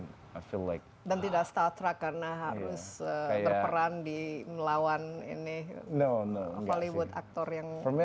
dan tidak star trek karena harus berperan di melawan ini hollywood actor yang lain